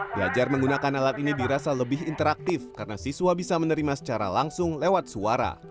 belajar menggunakan alat ini dirasa lebih interaktif karena siswa bisa menerima secara langsung lewat suara